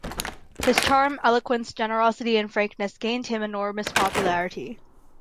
His charm, eloquence, generosity and frankness gained him enormous popularity.